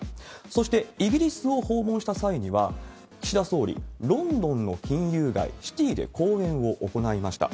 そしてイギリスを訪問した際には、岸田総理、ロンドンの金融街、シティで講演を行いました。